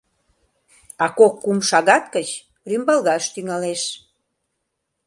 А кок-кум шагат гыч рӱмбалгаш тӱҥалеш.